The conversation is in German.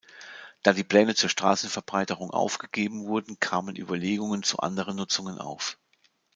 Da die Pläne zur Straßenverbreiterung aufgegeben wurden, kamen Überlegungen zu anderen Nutzungen auf.